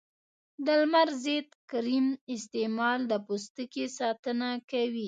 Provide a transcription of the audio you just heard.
د لمر ضد کریم استعمال د پوستکي ساتنه کوي.